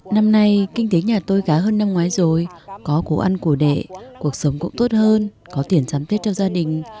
năm nay kinh tế nhà tôi gá hơn năm ngoái rồi có củ ăn cổ đệ cuộc sống cũng tốt hơn có tiền giám tiết cho gia đình